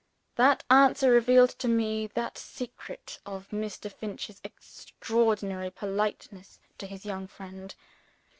That answer revealed to me the secret of Mr. Finch's extraordinary politeness to his young friend.